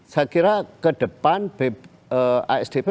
saya kira kedepan asdp sudah harus mengembangkan